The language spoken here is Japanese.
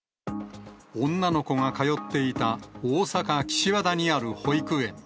女の子が通っていた大阪・岸和田にある保育園。